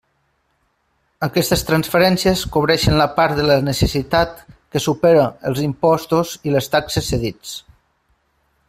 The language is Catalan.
Aquestes transferències cobreixen la part de la necessitat que supera els impostos i les taxes cedits.